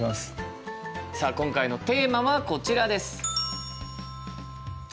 さあ今回のテーマはこちらです。